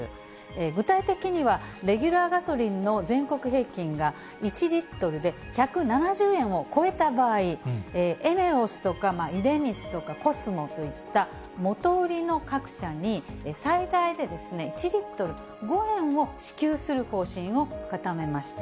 具体的には、レギュラーガソリンの全国平均が、１リットルで１７０円を超えた場合、ＥＮＥＯＳとか出光とか、コスモといった元売りの各社に最大で１リットル５円を支給する方針を固めました。